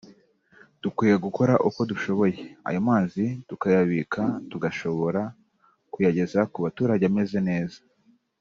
dukwiye gukora uko dushoboye ayo mazi tukayabika tugashobora kuyageza ku baturage ameze neza”